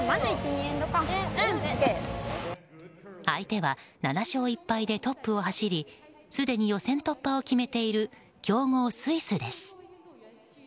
相手は７勝１敗でトップを走りすでに予選突破を決めている強豪スイスです。